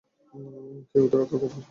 কে ওদের রক্ষা করবে?